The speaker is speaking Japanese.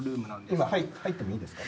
今入ってもいいですか？